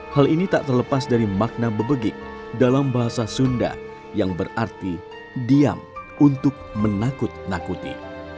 hal ini tak terlepas dari makna bebegik dalam bahasa sunda yang berarti diam untuk menakut nakuti